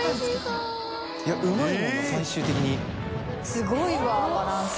すごいわバランス。